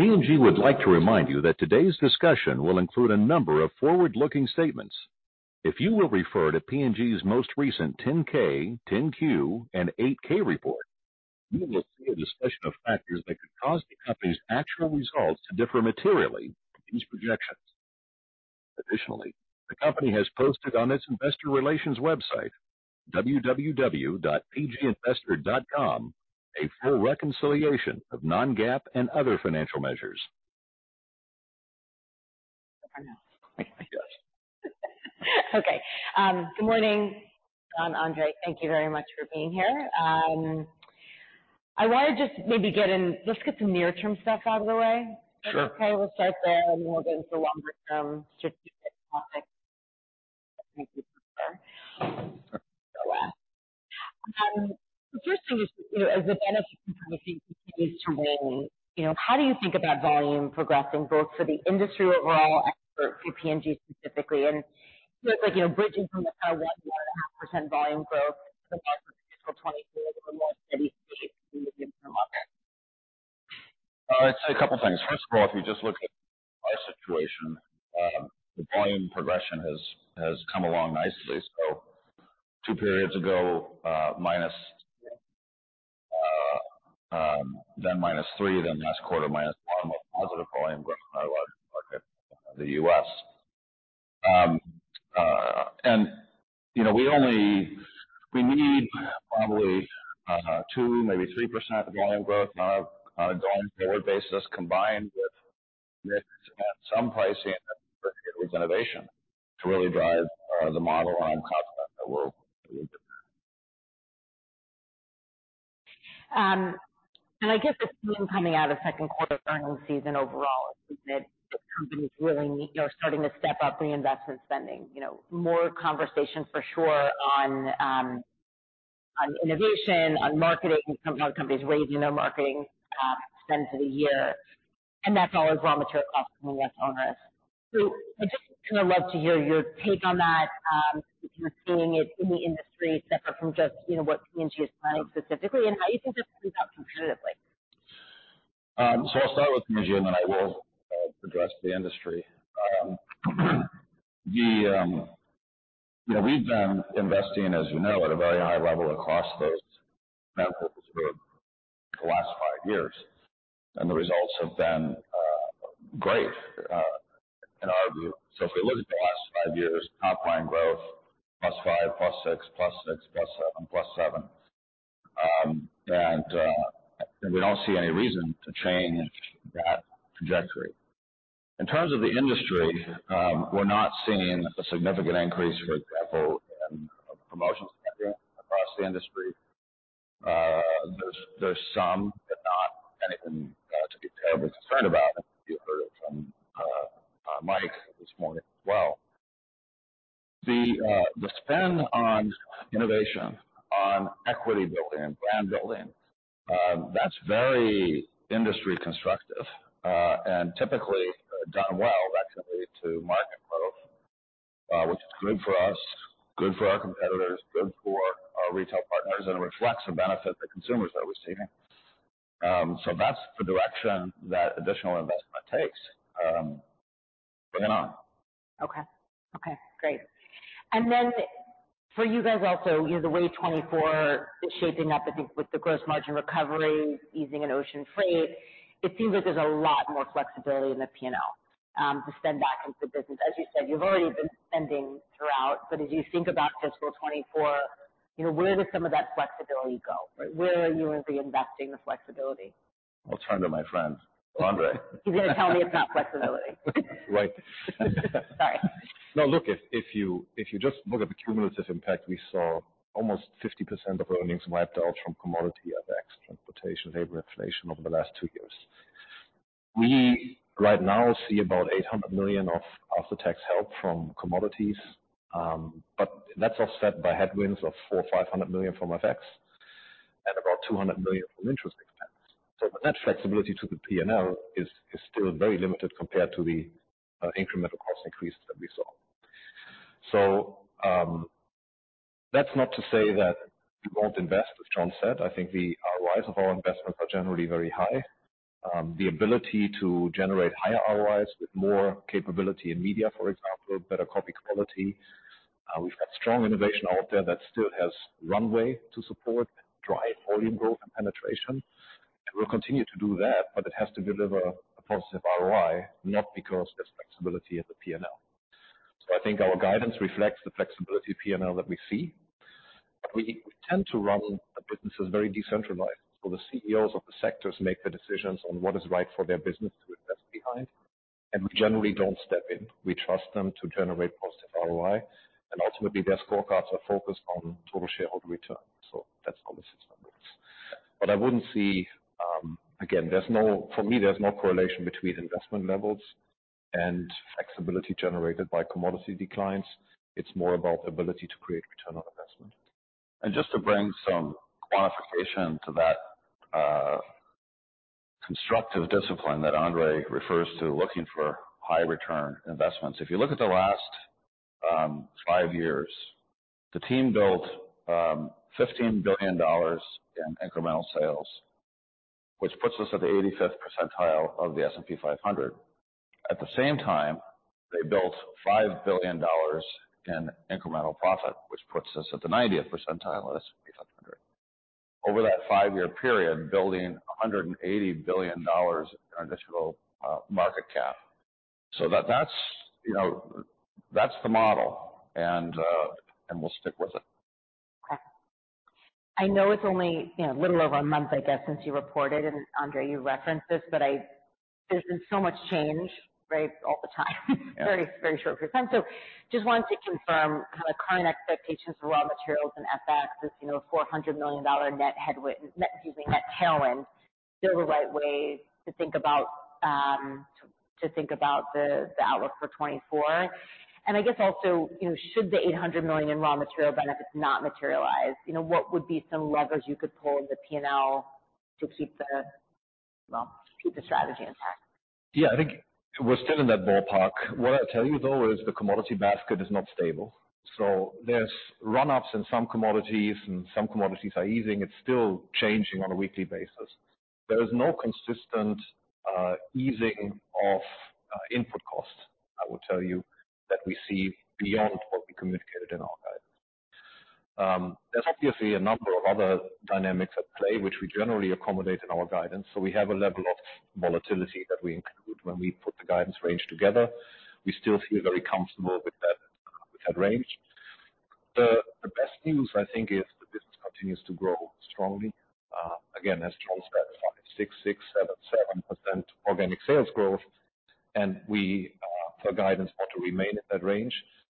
P&G would like to remind you that today's discussion will include a number of forward-looking statements. If you will refer to P&G's most recent 10-K, 10-Q, and 8-K report, you will see a discussion of factors that could cause the company's actual results to differ materially from these projections. Additionally, the company has posted on its investor relations website, www.pginvestor.com, a full reconciliation of non-GAAP and other financial measures. Okay. Good morning, Jon, Andre, thank you very much for being here. Let's get some near-term stuff out of the way. Sure. Okay, we'll start there and we'll get into longer-term strategic topics. The first thing is, you know, as the benefit from pricing continues to wane, you know, how do you think about volume progressing, both for the industry overall and for P&G specifically? And, you know, bridging from the 1.5% volume growth for fiscal 2024, a more steady state in the interim market. I'd say a couple of things. First of all, if you just look at my situation, the volume progression has come along nicely. So two periods ago, minus, then minus three, then last quarter, minus one, more positive volume growth in our market, the U.S. And, you know, we only need probably two, maybe 3% volume growth on a going-forward basis, combined with mix and some pricing with innovation to really drive the model on cost that we're. And I guess the theme coming out of second quarter earnings season overall is that the company's really, you know, starting to step up the investment spending. You know, more conversations for sure on, on innovation, on marketing. We talk about companies raising their marketing, spend for the year, and that's all a barometer of cost coming up on us. So I'd just kind of love to hear your take on that, if you're seeing it in the industry, separate from just, you know, what P&G is planning specifically, and how you think this will play out competitively. So I'll start with P&G, and then I will address the industry. You know, we've been investing, as you know, at a very high level across those networks for the last five years, and the results have been great in our view. So if we look at the last five years, top line growth, +5, +6, +6, +7, +7. And we don't see any reason to change that trajectory. In terms of the industry, we're not seeing a significant increase, for example, in promotions across the industry. There's some, but not anything to be terribly concerned about. You heard it from Mike this morning as well. The spend on innovation, on equity building, brand building, that's very industry constructive, and typically done well, that can lead to market growth, which is good for us, good for our competitors, good for our retail partners, and reflects the benefit the consumers are receiving. So that's the direction that additional investment takes. Bring it on. Okay. Okay, great. And then for you guys also, you know, the way 2024 is shaping up with the, with the gross margin recovery, easing in ocean freight, it seems like there's a lot more flexibility in the P&L to spend back into the business. As you said, you've already been spending throughout, but as you think about fiscal 2024, you know, where does some of that flexibility go? Where are you in reinvesting the flexibility? I'll turn to my friend, Andre. He's going to tell me it's not flexibility. Right. Sorry. No, look, if, if you, if you just look at the cumulative impact, we saw almost 50% of earnings wiped out from commodity effects, transportation, labor inflation over the last 2 years. We right now see about $800 million of after-tax help from commodities, but that's offset by headwinds of $400 million-$500 million from FX and about $200 million from interest expense. So that flexibility to the P&L is, is still very limited compared to the, incremental cost increases that we saw. So, that's not to say that we won't invest, as Jon said, I think the ROIs of our investments are generally very high. The ability to generate higher ROIs with more capability in media, for example, better copy quality. We've got strong innovation out there that still has runway to support, drive volume growth and penetration. And we'll continue to do that, but it has to deliver a positive ROI, not because there's flexibility in the P&L. So I think our guidance reflects the flexibility of P&L that we see, but we tend to run the businesses very decentralized. So the CEOs of the sectors make the decisions on what is right for their business to invest behind, and we generally don't step in. We trust them to generate positive ROI, and ultimately, their scorecards are focused on Total Shareholder Return. So that's how the system works. But I wouldn't see, again, for me, there's no correlation between investment levels and flexibility generated by commodity declines. It's more about the ability to create return on investment. Just to bring some quantification to that constructive discipline that Andre refers to, looking for high return investments. If you look at the last 5 years, the team built $15 billion in incremental sales, which puts us at the 85th percentile of the S&P 500. At the same time, they built $5 billion in incremental profit, which puts us at the 90th percentile of the S&P 500. Over that 5-year period, building $180 billion in additional market cap. That's, you know, that's the model, and we'll stick with it. Okay. I know it's only, you know, a little over a month, I guess, since you reported, and Andre, you referenced this, but I, there's been so much change, right? All the time, very, very short period time. So just wanted to confirm kind of current expectations for raw materials and FX, as you know, $400 million net headwind, net, excuse me, net tailwind, still the right way to think about the outlook for 2024. And I guess also, you know, should the $800 million in raw material benefits not materialize, you know, what would be some levers you could pull in the P&L to keep the, well, keep the strategy intact? Yeah, I think we're still in that ballpark. What I'll tell you, though, is the commodity basket is not stable. So there's run-ups in some commodities, and some commodities are easing. It's still changing on a weekly basis. There is no consistent easing of input costs, I will tell you, that we see beyond what we communicated in our guidance. There's obviously a number of other dynamics at play, which we generally accommodate in our guidance, so we have a level of volatility that we include when we put the guidance range together. We still feel very comfortable with that, with that range. The best news, I think, is the business continues to grow strongly. Again, as Jon said, 5, 6, 6, 7, 7% organic sales growth, and we, for guidance, want to remain at that range.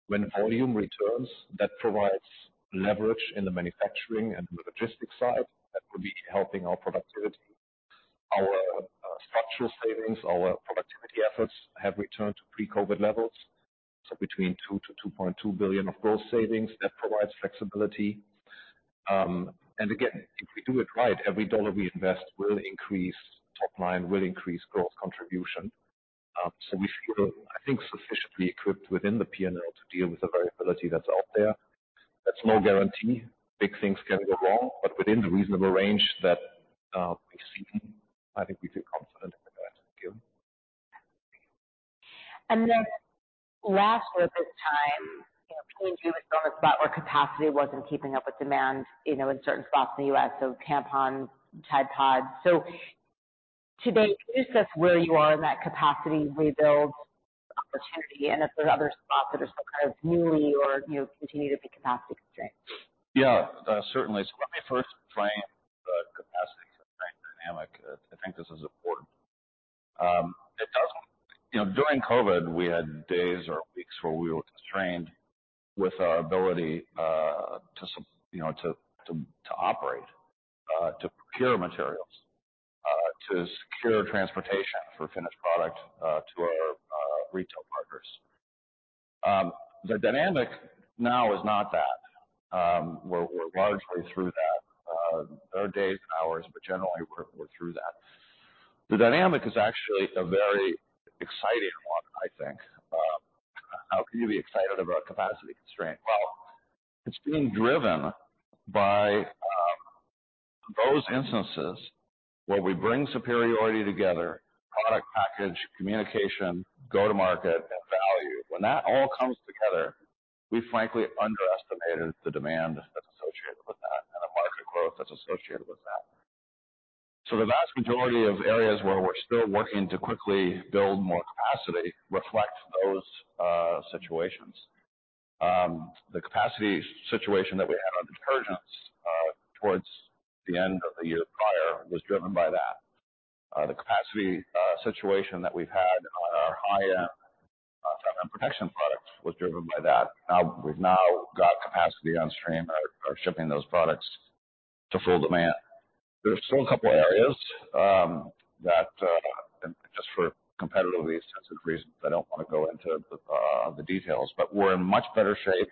When volume returns, that provides leverage in the manufacturing and the logistics side, that will be helping our productivity. Our structural savings, our productivity efforts have returned to pre-COVID levels, so between $2 billion-$2.2 billion of gross savings, that provides flexibility. And again, if we do it right, every dollar we invest will increase top line, will increase growth contribution. So we feel, I think, sufficiently equipped within the P&L to deal with the variability that's out there. That's no guarantee. Big things can go wrong, but within the reasonable range that we see, I think we feel confident in our ability. And then last quarter, this time, you know, P&G was in a spot where capacity wasn't keeping up with demand, you know, in certain spots in the U.S., so Tampax, Tide PODS. So today, give us where you are in that capacity rebuild opportunity, and if there are other spots that are still kind of newly or, you know, continue to be capacity constrained. Yeah, certainly. So let me first frame the capacity constraint dynamic. I think this is important. It does. You know, during COVID, we had days or weeks where we were constrained with our ability to operate, to procure materials, to secure transportation for finished product to our retail partners. The dynamic now is not that. We're largely through that. There are days and hours, but generally, we're through that. The dynamic is actually a very exciting one, I think. How can you be excited about capacity constraint? Well, it's being driven by those instances where we bring superiority together, product, package, communication, go-to-market, and value. When that all comes together, we frankly underestimated the demand that's associated with that and the market growth that's associated with that. So the vast majority of areas where we're still working to quickly build more capacity reflects those situations. The capacity situation that we had on detergents towards the end of the year prior was driven by that. The capacity situation that we've had on our high-end sun and protection products was driven by that. Now, we've now got capacity on stream, are shipping those products to full demand. There are still a couple of areas that just for competitively sensitive reasons I don't want to go into the details, but we're in much better shape.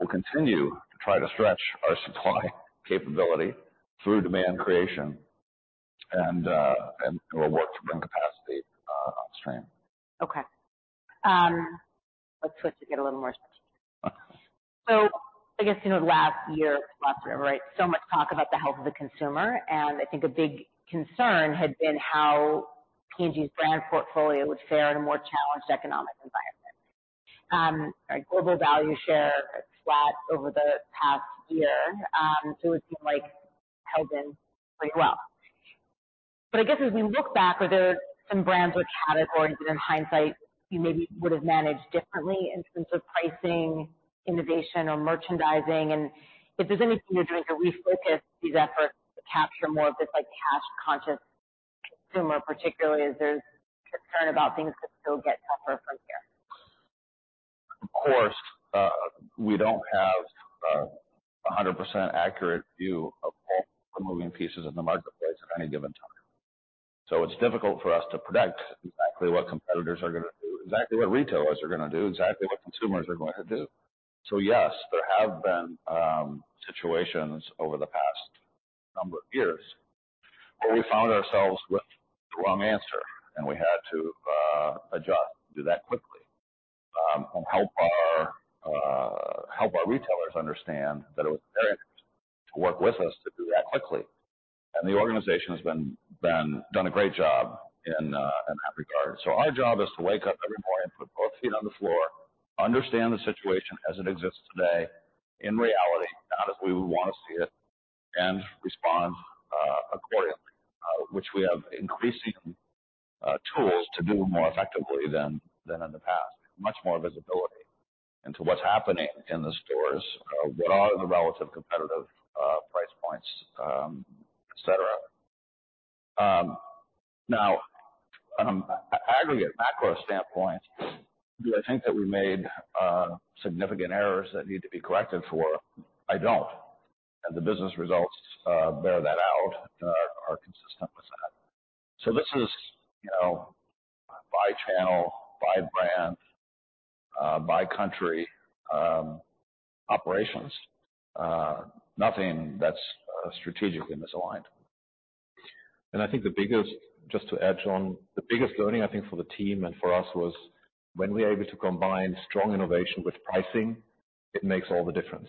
We'll continue to try to stretch our supply capability through demand creation, and we'll work to bring capacity on stream. Okay. Let's switch to get a little more specific. Okay. So I guess, you know, last year, last quarter, right? So much talk about the health of the consumer, and I think a big concern had been how P&G's brand portfolio would fare in a more challenged economic environment. Like global value share, flat over the past year. So it seemed like held in pretty well. But I guess as we look back, are there some brands or categories that, in hindsight, you maybe would have managed differently in terms of pricing, innovation, or merchandising? And if there's anything, you're doing to refocus these efforts to capture more of this, like, cash-conscious consumer particularly, is there concern about things could still get tougher from here? Of course, we don't have a 100% accurate view of all the moving pieces in the marketplace at any given time. So it's difficult for us to predict exactly what competitors are gonna do, exactly what retailers are gonna do, exactly what consumers are going to do. So yes, there have been situations over the past number of years. Well, we found ourselves with the wrong answer, and we had to adjust, do that quickly and help our retailers understand that it was very to work with us to do that quickly. And the organization has done a great job in that regard. So our job is to wake up every morning, put both feet on the floor, understand the situation as it exists today in reality, not as we would want to see it, and respond accordingly, which we have increasing tools to do more effectively than in the past. Much more visibility into what's happening in the stores, what are the relative competitive price points, et cetera. Now, aggregate macro standpoint, do I think that we made significant errors that need to be corrected for? I don't. The business results bear that out and are consistent with that. So this is, you know, by channel, by brand, by country, operations, nothing that's strategically misaligned. I think the biggest, just to add, Jon, the biggest learning, I think, for the team and for us was when we are able to combine strong innovation with pricing, it makes all the difference.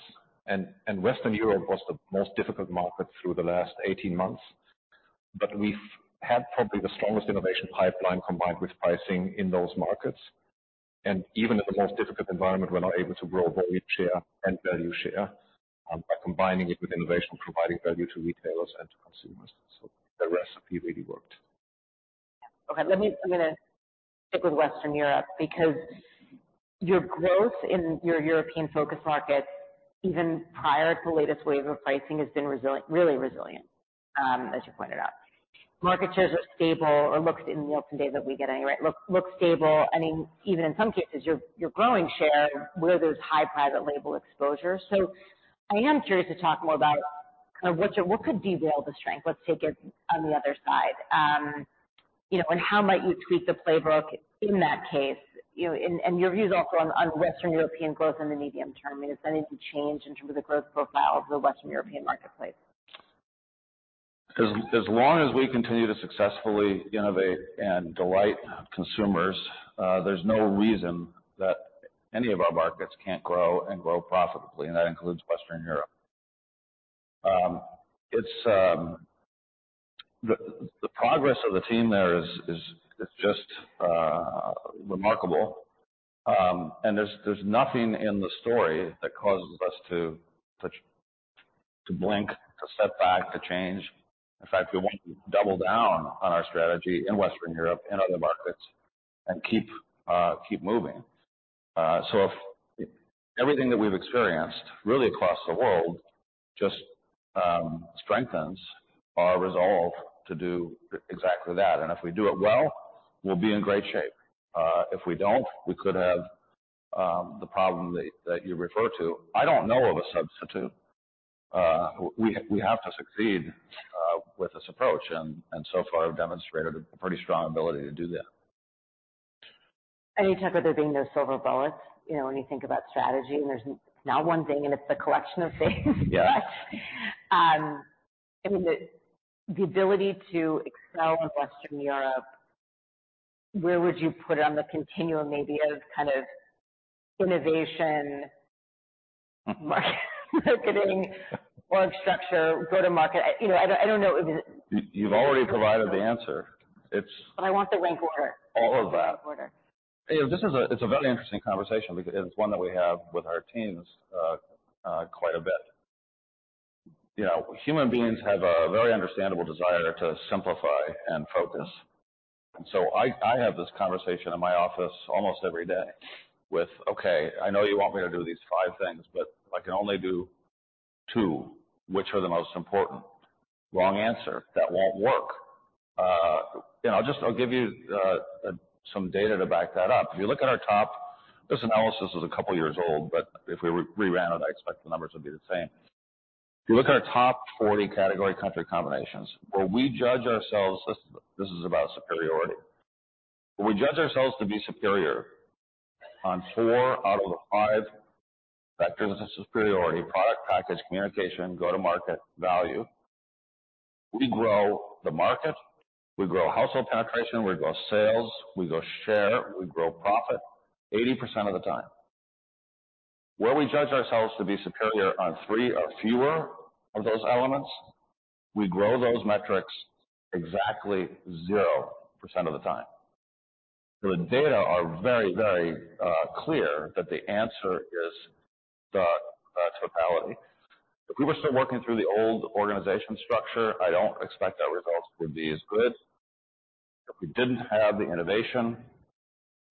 Western Europe was the most difficult market through the last 18 months, but we've had probably the strongest innovation pipeline combined with pricing in those markets. Even in the most difficult environment, we're now able to grow volume share and value share by combining it with innovation, providing value to retailers and to consumers. So the recipe really worked. Okay, let me. I'm gonna stick with Western Europe, because your growth in your European focus markets, even prior to the latest wave of pricing, has been really resilient, as you pointed out. Market shares are stable or look stable in the open data we get, anyway. I mean, even in some cases, you're growing share where there's high private label exposure. So I am curious to talk more about kind of what could derail the strength. Let's take it on the other side. You know, and how might you tweak the playbook in that case? And your views also on Western European growth in the medium term. I mean, does anything change in terms of the growth profile of the Western European marketplace? As long as we continue to successfully innovate and delight consumers, there's no reason that any of our markets can't grow and grow profitably, and that includes Western Europe. It's the progress of the team there is just remarkable. And there's nothing in the story that causes us to blink, to step back, to change. In fact, we want to double down on our strategy in Western Europe and other markets and keep moving. So if everything that we've experienced really across the world just strengthens our resolve to do exactly that, and if we do it well, we'll be in great shape. If we don't, we could have the problem that you refer to. I don't know of a substitute. We have to succeed with this approach, and so far, we've demonstrated a pretty strong ability to do that. You talk about there being no silver bullets, you know, when you think about strategy, and there's not one thing, and it's the collection of things. Yeah. I mean, the ability to excel in Western Europe, where would you put it on the continuum, maybe, of kind of innovation, market-marketing, org structure, go-to-market? You know, I don't know if it- You, you've already provided the answer. It's- But I want the rank order. All of that. Rank order. You know, this is—it's a very interesting conversation because it's one that we have with our teams quite a bit. You know, human beings have a very understandable desire to simplify and focus. So I have this conversation in my office almost every day with: Okay, I know you want me to do these five things, but I can only do two. Which are the most important? Wrong answer. That won't work. You know, I'll just, I'll give you some data to back that up. If you look at our top... This analysis is a couple of years old, but if we re-ran it, I expect the numbers would be the same. If you look at our top 40 category country combinations, where we judge ourselves, this, this is about superiority. We judge ourselves to be superior on four out of the five factors of superiority: product, package, communication, go-to-market, value. We grow the market, we grow household penetration, we grow sales, we grow share, we grow profit 80% of the time. Where we judge ourselves to be superior on three or fewer of those elements, we grow those metrics exactly 0% of the time. So the data are very, very, clear that the answer is the, totality. If we were still working through the old organization structure, I don't expect our results would be as good. If we didn't have the innovation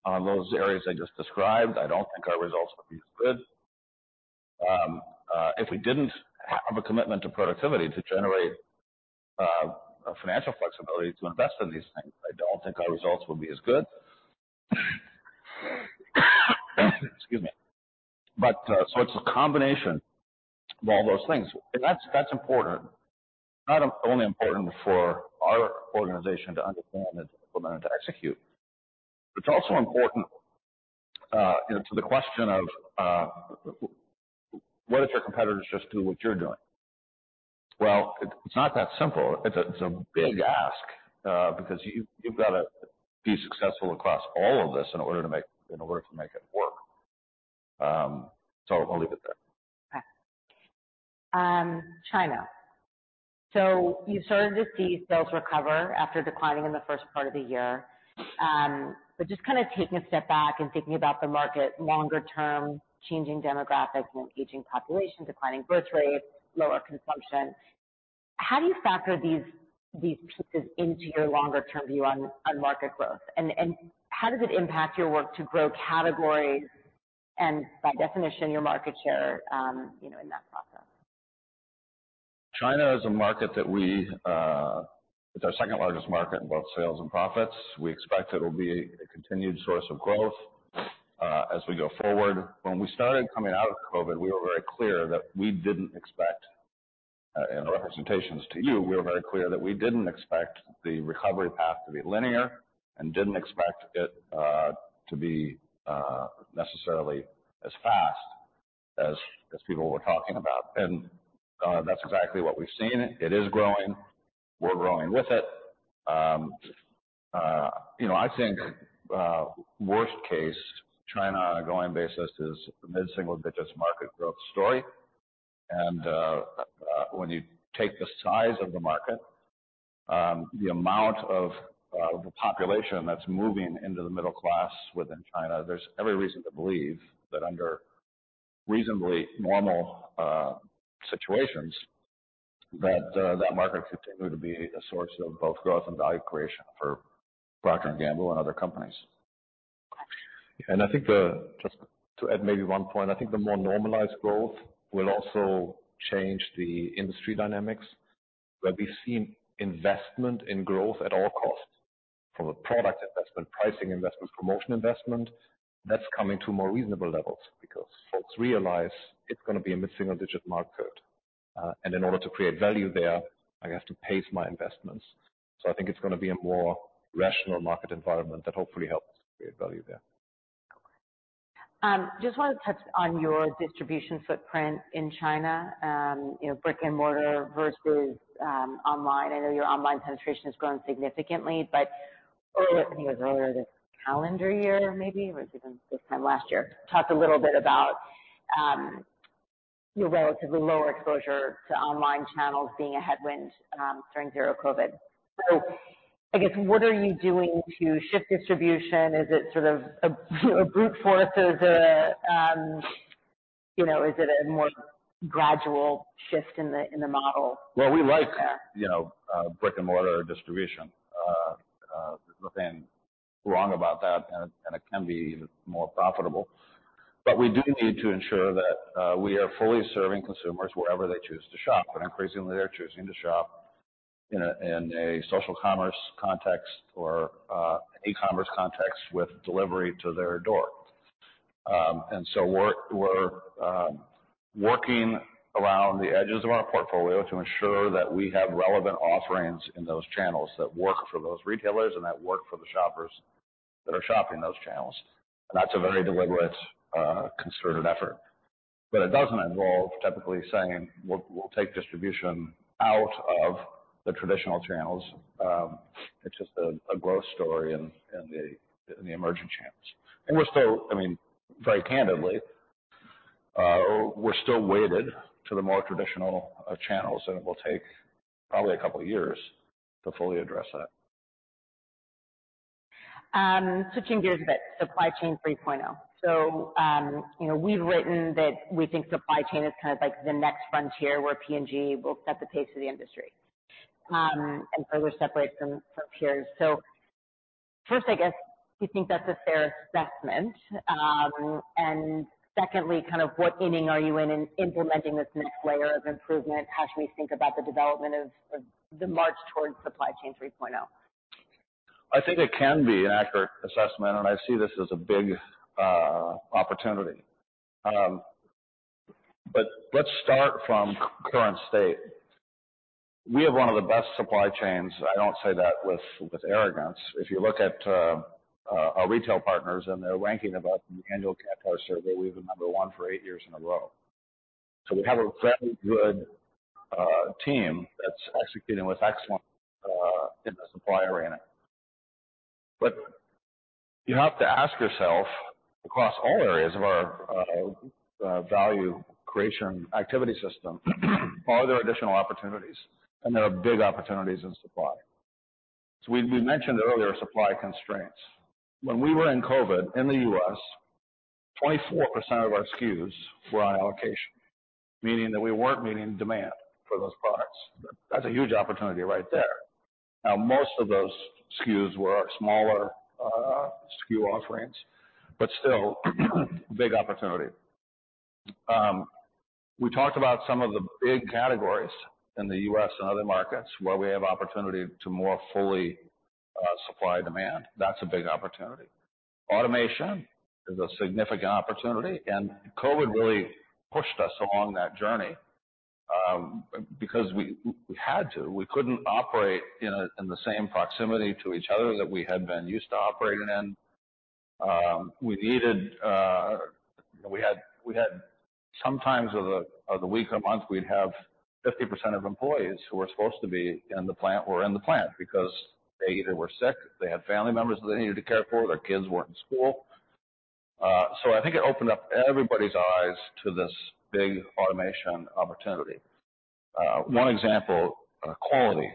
on those areas I just described, I don't think our results would be as good. If we didn't have a commitment to productivity to generate a financial flexibility to invest in these things, I don't think our results would be as good. Excuse me. So it's a combination of all those things, and that's, that's important. Not only important for our organization to understand and to execute, it's also important and to the question of what if your competitors just do what you're doing? Well, it, it's not that simple. It's a, it's a big ask because you, you've got to be successful across all of this in order to make, in order to make it work. I'll leave it there. Okay. China. So you started to see sales recover after declining in the first part of the year. But just kind of taking a step back and thinking about the market longer term, changing demographics and an aging population, declining birth rates, lower consumption. How do you factor these, these pieces into your longer-term view on, on market growth? And, and how does it impact your work to grow categories and by definition, your market share, you know, in that process? China is a market that we, it's our second largest market in both sales and profits. We expect it'll be a continued source of growth as we go forward. When we started coming out of COVID, we were very clear that we didn't expect, in our representations to you, we were very clear that we didn't expect the recovery path to be linear and didn't expect it to be necessarily as fast as people were talking about. And that's exactly what we've seen. It is growing, we're growing with it. You know, I think worst case, China on a going basis is a mid-single-digit market growth story. When you take the size of the market, the amount of the population that's moving into the middle class within China, there's every reason to believe that under reasonably normal situations, that market will continue to be a source of both growth and value creation for Procter & Gamble and other companies. I think, just to add maybe one point, I think the more normalized growth will also change the industry dynamics, where we've seen investment in growth at all costs, from a product investment, pricing investment, promotion investment, that's coming to more reasonable levels. Because folks realize it's going to be a mid-single-digit market, and in order to create value there, I have to pace my investments. I think it's going to be a more rational market environment that hopefully helps create value there. Just want to touch on your distribution footprint in China. You know, brick-and-mortar versus online. I know your online penetration has grown significantly, but earlier, I think it was earlier this calendar year, maybe, or is it even this time last year? Talked a little bit about your relatively lower exposure to online channels being a headwind during Zero COVID. So I guess, what are you doing to shift distribution? Is it sort of a brute force or is it a, you know, is it a more gradual shift in the model? Well, we like, you know, brick-and-mortar distribution. There's nothing wrong about that, and it can be even more profitable. But we do need to ensure that we are fully serving consumers wherever they choose to shop, and increasingly, they're choosing to shop in a social commerce context or e-commerce context with delivery to their door. And so we're working around the edges of our portfolio to ensure that we have relevant offerings in those channels that work for those retailers and that work for the shoppers that are shopping those channels. And that's a very deliberate concerted effort. But it doesn't involve typically saying, We'll take distribution out of the traditional channels, it's just a growth story in the emerging channels. We're still, I mean, very candidly, we're still weighted to the more traditional channels, and it will take probably a couple of years to fully address that. Switching gears a bit. Supply Chain 3.0. So, you know, we've written that we think supply chain is kind of like the next frontier where P&G will set the pace for the industry, and further separate from peers. So first, I guess, do you think that's a fair assessment? And secondly, kind of, what inning are you in implementing this next layer of improvement? How should we think about the development of the march towards Supply Chain 3.0? I think it can be an accurate assessment, and I see this as a big opportunity. But let's start from current state. We have one of the best supply chains. I don't say that with arrogance. If you look at our retail partners, and their ranking of us in the annual Kantar survey, we've been number one for eight years in a row. So we have a very good team that's executing with excellence in the supply arena. But you have to ask yourself, across all areas of our value creation activity system, are there additional opportunities? And there are big opportunities in supply. So we mentioned earlier, supply constraints. When we were in COVID, in the U.S., 24% of our SKUs were on allocation, meaning that we weren't meeting demand for those products. That's a huge opportunity right there. Now, most of those SKUs were our smaller, SKU offerings, but still, big opportunity. We talked about some of the big categories in the U.S. and other markets where we have opportunity to more fully, supply demand. That's a big opportunity. Automation is a significant opportunity, and COVID really pushed us along that journey, because we, we had to. We couldn't operate in a, in the same proximity to each other that we had been used to operating in. We needed, we had, we had sometimes of the, of the week or month, we'd have 50% of employees who were supposed to be in the plant were in the plant because they either were sick, they had family members that they needed to care for, their kids weren't in school. So I think it opened up everybody's eyes to this big automation opportunity. One example, quality.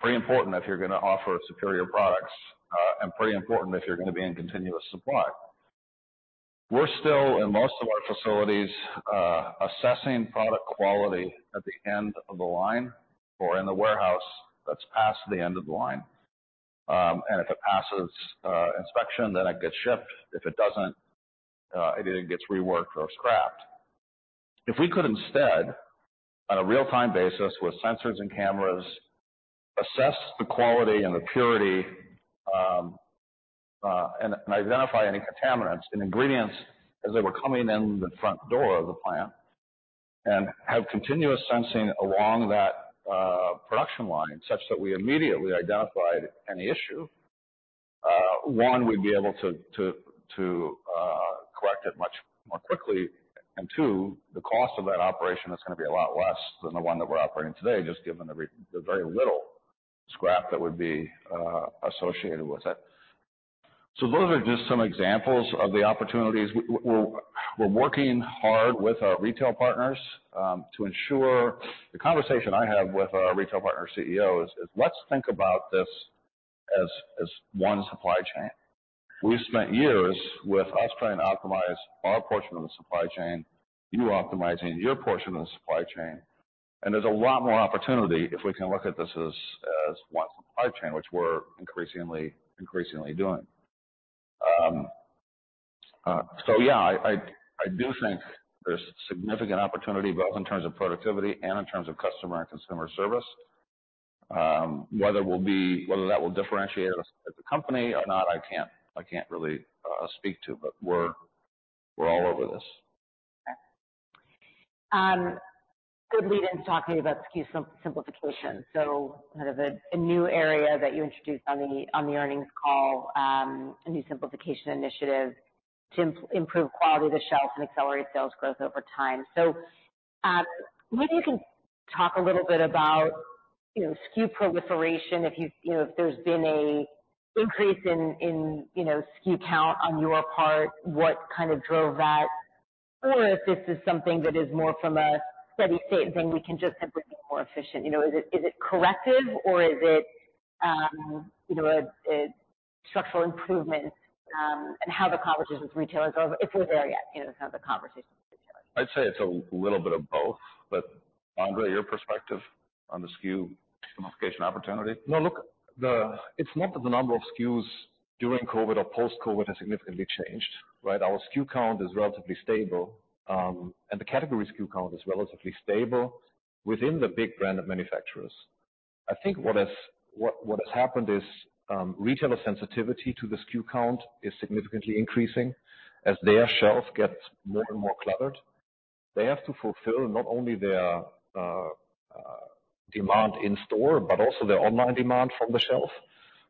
Pretty important if you're going to offer superior products, and pretty important if you're going to be in continuous supply. We're still, in most of our facilities, assessing product quality at the end of the line or in the warehouse that's past the end of the line. And if it passes inspection, then it gets shipped. If it doesn't, it either gets reworked or scrapped. If we could instead, on a real-time basis, with sensors and cameras, assess the quality and the purity, and identify any contaminants and ingredients as they were coming in the front door of the plant, and have continuous sensing along that production line, such that we immediately identified any issue, one, we'd be able to to correct it much more quickly, and two, the cost of that operation is going to be a lot less than the one that we're operating today, just given the very little scrap that would be associated with it. So those are just some examples of the opportunities. We're working hard with our retail partners to ensure. The conversation I have with our retail partner CEOs is: Let's think about this as one supply chain. We spent years with us trying to optimize our portion of the supply chain, you optimizing your portion of the supply chain, and there's a lot more opportunity if we can look at this as one supply chain, which we're increasingly doing. So, yeah, I do think there's significant opportunity, both in terms of productivity and in terms of customer and consumer service. Whether that will differentiate us as a company or not, I can't really speak to, but we're all over this. Good lead-in to talking about SKU simplification. So kind of a new area that you introduced on the earnings call, a new simplification initiative to improve quality of the shelf and accelerate sales growth over time. So, maybe you can talk a little bit about, you know, SKU proliferation, you know, if there's been an increase in, you know, SKU count on your part, what kind of drove that? Or if this is something that is more from a steady state, and we can just simply be more efficient. You know, is it corrective or is it, you know, a structural improvement, and how the conversation with retailers, or if we're there yet, you know, to have the conversation with retailers? I'd say it's a little bit of both, but André, your perspective on the SKU simplification opportunity? No, look, the, it's not that the number of SKUs during COVID or post-COVID has significantly changed, right? Our SKU count is relatively stable, and the category SKU count is relatively stable within the big brand of manufacturers. I think what has happened is, retailer sensitivity to the SKU count is significantly increasing as their shelf gets more and more cluttered. They have to fulfill not only their demand in store, but also their online demand from the shelf,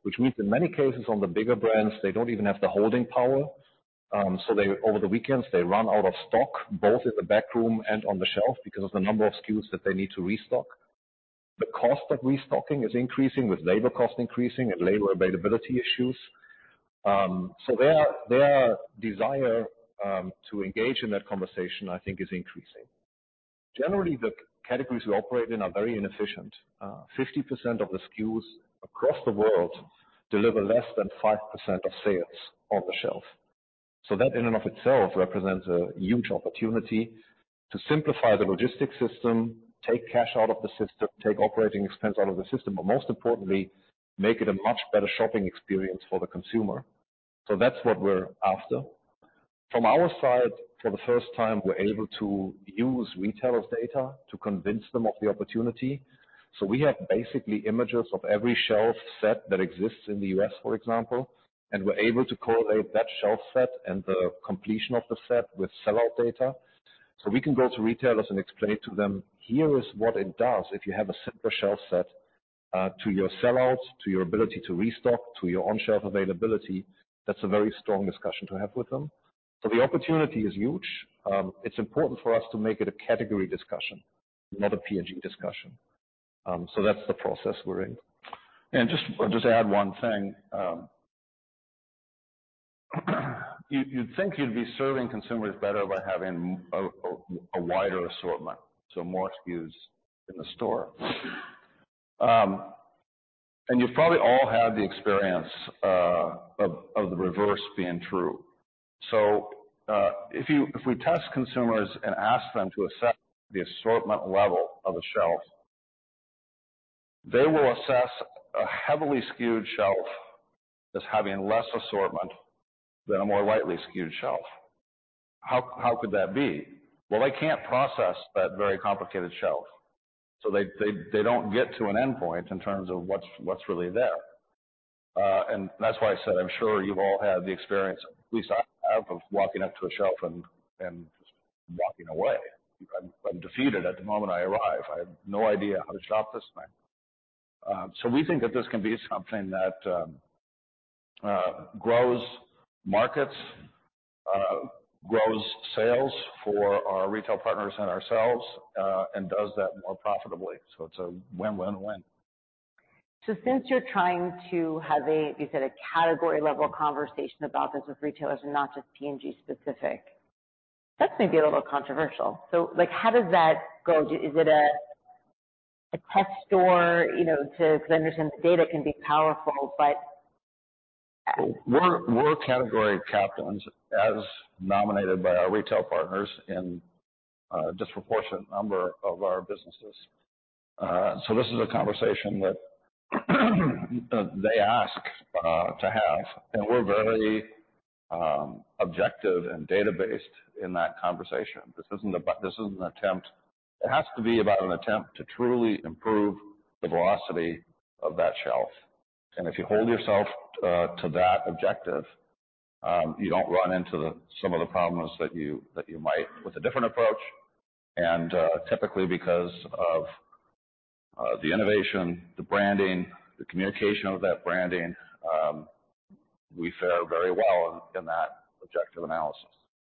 which means in many cases, on the bigger brands, they don't even have the holding power. So they, over the weekends, they run out of stock, both in the back room and on the shelf, because of the number of SKUs that they need to restock. The cost of restocking is increasing, with labor cost increasing and labor availability issues. So their desire to engage in that conversation, I think, is increasing. Generally, the categories we operate in are very inefficient. 50% of the SKUs across the world deliver less than 5% of sales on the shelf. So that in and of itself represents a huge opportunity to simplify the logistics system, take cash out of the system, take operating expense out of the system, but most importantly, make it a much better shopping experience for the consumer. So that's what we're after. From our side, for the first time, we're able to use retailers' data to convince them of the opportunity. So we have basically images of every shelf set that exists in the U.S., for example, and we're able to correlate that shelf set and the completion of the set with sellout data. So we can go to retailers and explain to them, "Here is what it does if you have a simpler shelf set to your sellouts, to your ability to restock, to your on-shelf availability." That's a very strong discussion to have with them. So the opportunity is huge. It's important for us to make it a category discussion, not a P&G discussion. So that's the process we're in. Just add one thing. You'd think you'd be serving consumers better by having a wider assortment, so more SKUs in the store. And you've probably all had the experience of the reverse being true. If we test consumers and ask them to assess the assortment level of a shelf, they will assess a heavily SKU'd shelf as having less assortment than a more lightly SKU'd shelf. How could that be? Well, they can't process that very complicated shelf, so they don't get to an endpoint in terms of what's really there. And that's why I said, I'm sure you've all had the experience, at least I have, of walking up to a shelf and walking away. I'm defeated at the moment I arrive. I have no idea how to shop this thing. So we think that this can be something that grows markets, grows sales for our retail partners and ourselves, and does that more profitably. So it's a win, win, win. So since you're trying to have a, you said, a category-level conversation about this with retailers and not just P&G specific, that's maybe a little controversial. So, like, how does that go? Is it a test store, you know, to understand data can be powerful, but- We're category captains as nominated by our retail partners in a disproportionate number of our businesses. So this is a conversation that they ask to have, and we're very objective and data-based in that conversation. This isn't about - this is an attempt. It has to be about an attempt to truly improve the velocity of that shelf. And if you hold yourself to that objective, you don't run into some of the problems that you might with a different approach. And typically, because of the innovation, the branding, the communication of that branding, we fare very well in that objective analysis.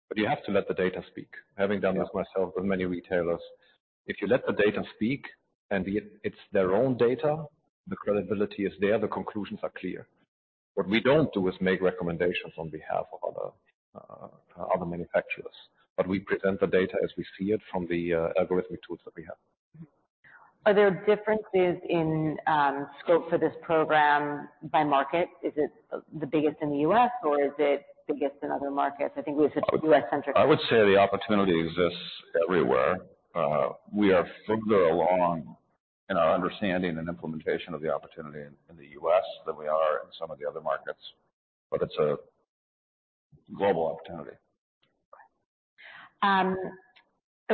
But you have to let the data speak. Having done this myself with many retailers, if you let the data speak and the, it's their own data, the credibility is there, the conclusions are clear. What we don't do is make recommendations on behalf of other, other manufacturers, but we present the data as we see it from the, algorithmic tools that we have. Are there differences in scope for this program by market? Is it the biggest in the U.S., or is it biggest in other markets? I think we said U.S.-centric. I would say the opportunity exists everywhere. We are further along in our understanding and implementation of the opportunity in the U.S. than we are in some of the other markets, but it's a global opportunity. I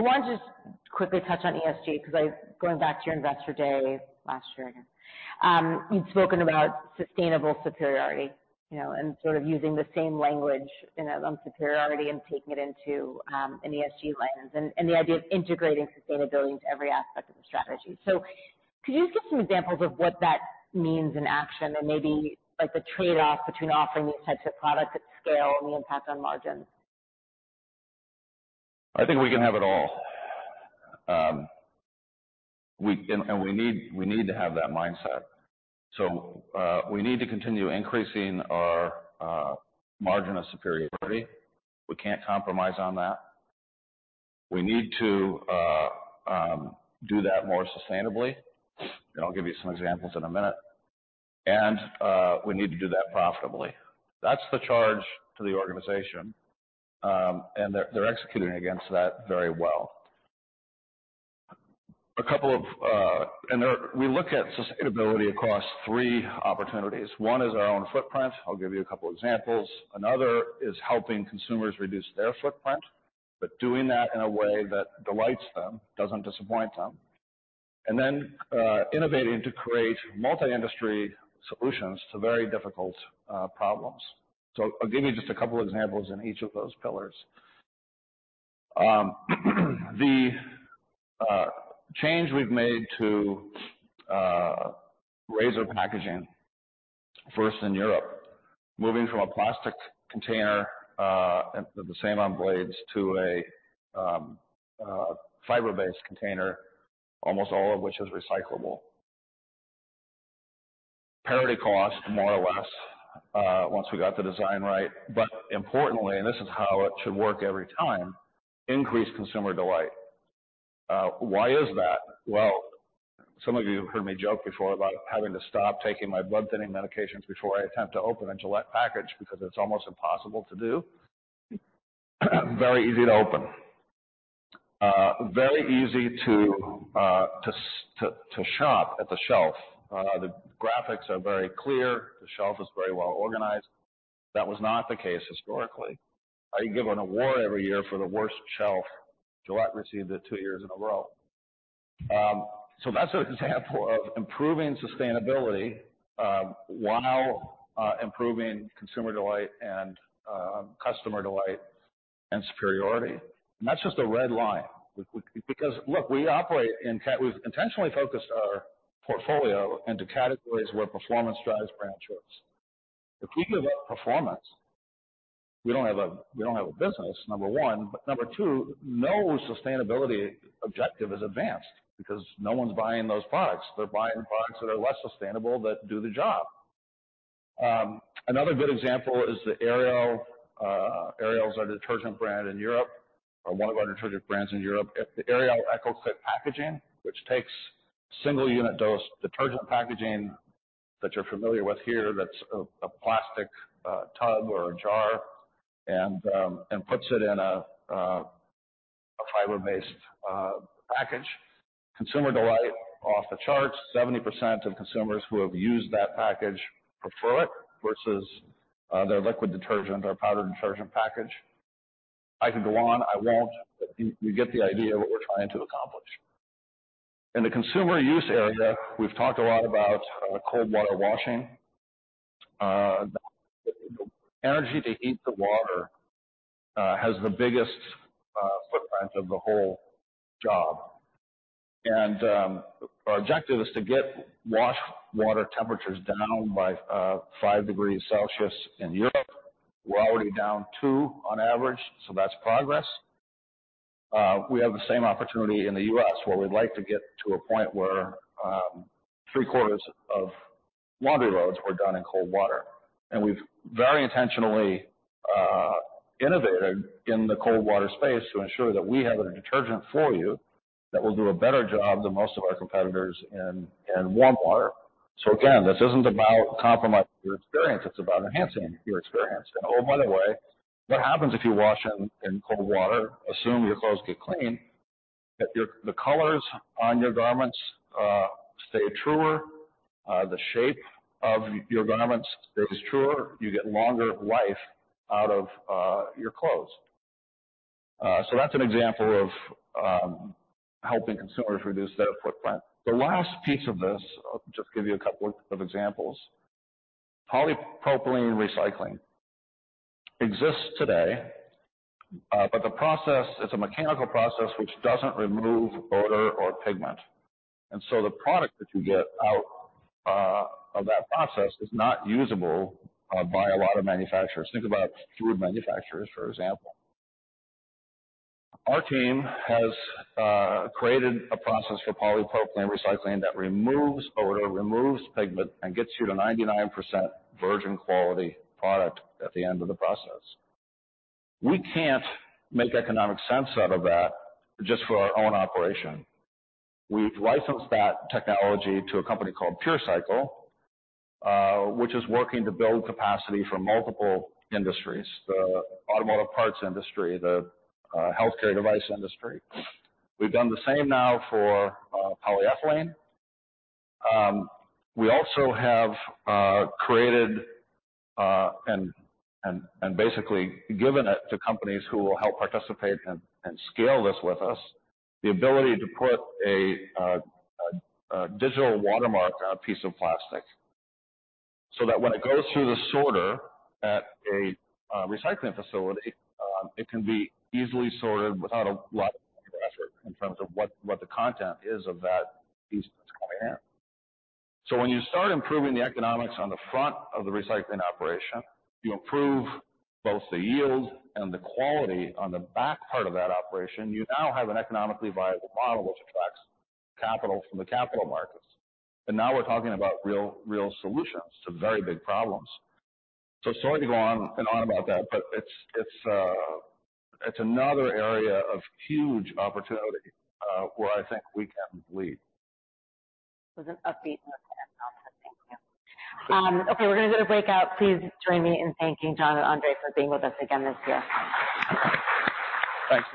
want to just quickly touch on ESG, because going back to your Investor Day last year. You'd spoken about sustainable superiority, you know, and sort of using the same language, you know, on superiority and taking it into an ESG lens, and the idea of integrating sustainability into every aspect of the strategy. So could you give some examples of what that means in action and maybe like the trade-off between offering these types of products at scale and the impact on margins? I think we can have it all. We need to have that mindset. So, we need to continue increasing our margin of superiority. We can't compromise on that. We need to do that more sustainably. And I'll give you some examples in a minute. And we need to do that profitably. That's the charge to the organization, and they're executing against that very well. We look at sustainability across three opportunities. One is our own footprint. I'll give you a couple examples. Another is helping consumers reduce their footprint, but doing that in a way that delights them, doesn't disappoint them. And then, innovating to create multi-industry solutions to very difficult problems. So I'll give you just a couple examples in each of those pillars. The change we've made to razor packaging, first in Europe, moving from a plastic container, the same on blades, to a fiber-based container, almost all of which is recyclable. Parity cost, more or less, once we got the design right, but importantly, and this is how it should work every time, increased consumer delight. Why is that? Well, some of you have heard me joke before about having to stop taking my blood-thinning medications before I attempt to open a Gillette package, because it's almost impossible to do. Very easy to open, very easy to shop at the shelf. The graphics are very clear. The shelf is very well organized. That was not the case historically. I give an award every year for the worst shelf. Gillette received it two years in a row. So that's an example of improving sustainability while improving consumer delight and customer delight and superiority. And that's just a red line. Because, look, we've intentionally focused our portfolio into categories where performance drives brand choice. If we give up performance, we don't have a, we don't have a business, number one, but number two, no sustainability objective is advanced because no one's buying those products. They're buying products that are less sustainable, that do the job. Another good example is the Ariel. Ariel is our detergent brand in Europe, or one of our detergent brands in Europe. At the Ariel ECOCLIC packaging, which takes single unit dose detergent packaging that you're familiar with here, that's a plastic tub or a jar, and puts it in a fiber-based package. Consumer delight off the charts. 70% of consumers who have used that package prefer it versus their liquid detergent or powder detergent package. I could go on. I won't, but you, you get the idea of what we're trying to accomplish.... In the consumer use area, we've talked a lot about cold water washing. The energy to heat the water has the biggest footprint of the whole job. And our objective is to get wash water temperatures down by fivedegrees Celsius in Europe. We're already down two on average, so that's progress. We have the same opportunity in the U.S., where we'd like to get to a point where three-quarters of laundry loads were done in cold water. And we've very intentionally innovated in the cold water space to ensure that we have a detergent for you that will do a better job than most of our competitors in warm water. So again, this isn't about compromising your experience, it's about enhancing your experience. And, oh, by the way, what happens if you wash in cold water? Assume your clothes get clean, that the colors on your garments stay truer, the shape of your garments stays truer, you get longer life out of your clothes. So that's an example of helping consumers reduce their footprint. The last piece of this, I'll just give you a couple of examples. Polypropylene recycling exists today, but the process, it's a mechanical process which doesn't remove odor or pigment. So the product that you get out of that process is not usable by a lot of manufacturers. Think about food manufacturers, for example. Our team has created a process for polypropylene recycling that removes odor, removes pigment, and gets you to 99% virgin quality product at the end of the process. We can't make economic sense out of that just for our own operation. We've licensed that technology to a company called PureCycle, which is working to build capacity for multiple industries, the automotive parts industry, the healthcare device industry. We've done the same now for polyethylene. We also have created and basically given it to companies who will help participate and scale this with us, the ability to put a digital watermark on a piece of plastic, so that when it goes through the sorter at a recycling facility, it can be easily sorted without a lot of effort in terms of what the content is of that piece that's coming in. So when you start improving the economics on the front of the recycling operation, you improve both the yield and the quality on the back part of that operation; you now have an economically viable model, which attracts capital from the capital markets. And now we're talking about real solutions to very big problems. So sorry to go on and on about that, but it's another area of huge opportunity, where I think we can lead. It was an upbeat note to end on, so thank you. Okay, we're going to do a breakout. Please join me in thanking Jon and Andre for being with us again this year. Thanks.